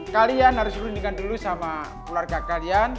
kalian harus rundingkan dulu sama keluarga kalian